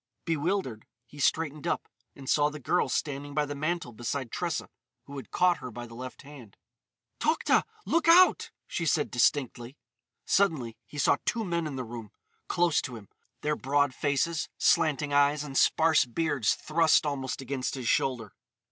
Bewildered, he straightened up; and saw the girl standing by the mantel beside Tressa, who had caught her by the left hand. "Tokhta! Look out!" she said distinctly. Suddenly he saw two men in the room, close to him—their broad faces, slanting eyes, and sparse beards thrust almost against his shoulder.